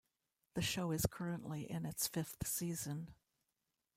The show is currently in its fifth season.